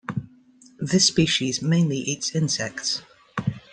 This species mainly eats insects.